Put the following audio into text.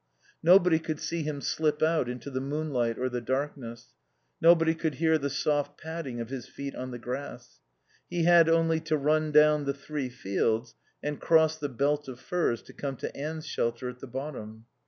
Nobody could see him slip out into the moonlight or the darkness; nobody could hear the soft padding of his feet on the grass. He had only to run down the three fields and cross the belt of firs to come to Anne's shelter at the bottom.